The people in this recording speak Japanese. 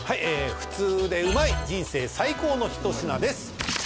普通でうまい人生最高の一品です